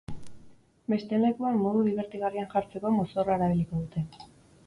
Besteen lekuan modu dibertigarrian jartzeko, mozorroa erabiliko dute.